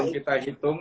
belum kita hitung